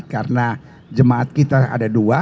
karena jemaat kita ada dua